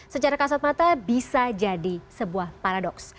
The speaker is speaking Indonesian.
secara kasat mata bisa jadi sebuah paradoks